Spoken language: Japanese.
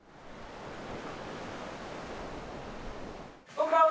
こんばんは。